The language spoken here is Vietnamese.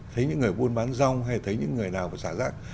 thấy những người buôn bán rong hay thấy những người nào có xả rác